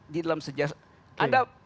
di dalam sejarah